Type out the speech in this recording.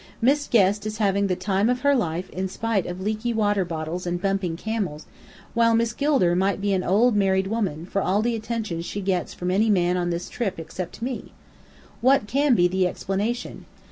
Miss Guest is having the "time of her life" in spite of leaky water bottles and bumping camels, while Miss Gilder might be an old married woman, for all the attention she gets from any man on this trip except me. What can be the explanation?